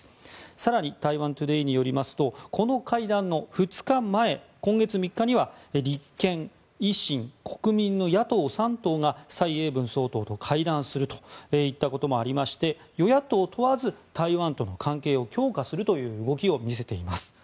更に、タイワン・トゥデイによりますとこの会談の２日前の今月３日には立憲・維新・国民の野党３党が蔡英文総統と会談するといったこともありまして与野党問わず、台湾との関係を強化する動きを見せています。